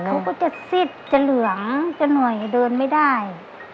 เขาก็จะซิดจะเหลืองจะหน่อยเดินไม่ได้